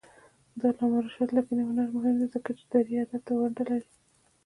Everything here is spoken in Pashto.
د علامه رشاد لیکنی هنر مهم دی ځکه چې دري ادب ته ونډه لري.